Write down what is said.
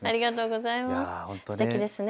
すてきですね。